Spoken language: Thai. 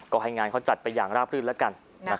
ก็ให้งานเขาจัดไปอย่างราบรื่นแล้วกัน